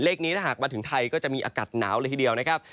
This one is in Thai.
นี้ถ้าหากมาถึงไทยก็จะมีอากาศหนาวเลยทีเดียวนะครับ